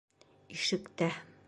Ишектә.